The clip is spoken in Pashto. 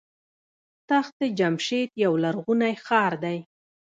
تخت جمشید یو لرغونی ښار دی.